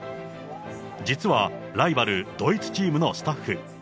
実はライバル、ドイツチームのスタッフ。